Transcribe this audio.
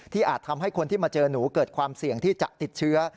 อาจทำให้คนที่มาเจอหนูเกิดความเสี่ยงที่จะติดเชื้อ